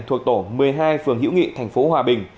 thuộc tổ một mươi hai phường hữu nghị tp hòa bình